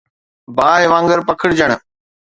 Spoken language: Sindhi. باهه وانگر پکڙجڻ